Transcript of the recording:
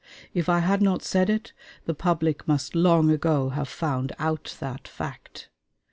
If I had not said it, the public must long ago have found out that fact.